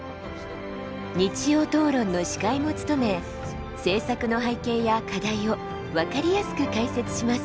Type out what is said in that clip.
「日曜討論」の司会も務め政策の背景や課題を分かりやすく解説します。